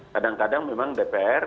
kadang kadang memang dpr